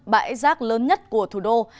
bãi rác lớn nhất của thủ đô